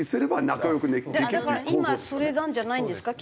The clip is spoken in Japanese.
だから今それなんじゃないんですか？